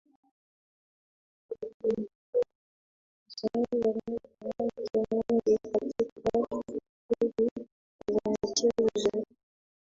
alipendelea kutumia muda wake mwingi katika shughuli za michezo